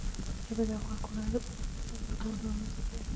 ژبې د افغان کورنیو د پخوانیو دودونو یو ډېر مهم او بنسټیز عنصر دی.